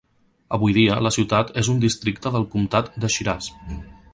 Avui dia la ciutat és un districte del comtat de Shiraz.